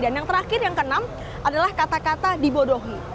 dan yang terakhir yang keenam adalah kata kata dibodohkan